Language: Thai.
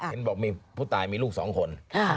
เห็นบอกผู้ตายมีลูกสองคน